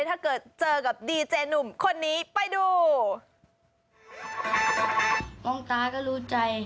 ถ้าเกิดเจอกับดีเจนุ่มคนนี้ไปดู